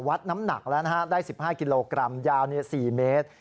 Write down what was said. วัดน้ำหนักแล้วนะฮะได้๑๕กิโลกรัมยาว๔เมตร